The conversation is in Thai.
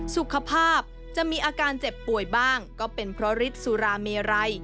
สุขภาพจะมีอาการเจ็บป่วยบ้างก็เป็นเพราะฤทธิ์สุราเมไร